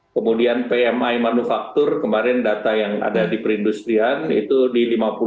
kemudian pmi manufaktur kemarin data yang ada di perindustrian itu di lima puluh enam